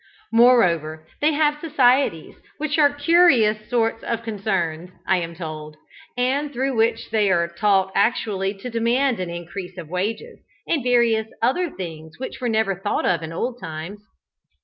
Moreover, they have societies, which are curious sort of concerns, I am told, and through which they are taught actually to demand an increase of wages, and various other things which were never thought of in old times.